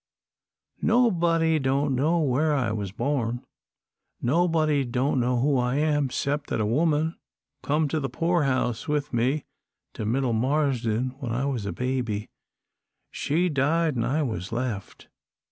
"Nobody don't know where I was born. Nobody don't know who I am, 'cept that a woman come to the poorhouse with me to Middle Marsden when I was a baby. She died, an' I was left.